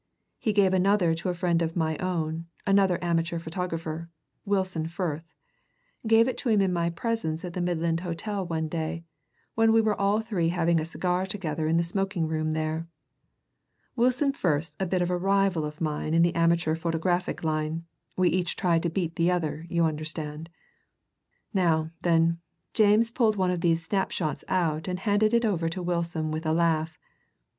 He gave another to a friend of my own, another amateur photographer, Wilson Firth gave him it in my presence at the Midland Hotel one day, when we were all three having a cigar together in the smoking room there. Wilson Firth's a bit of a rival of mine in the amateur photographic line we each try to beat the other, you understand. Now, then, James pulled one of these snapshots out and handed it over to Wilson with a laugh.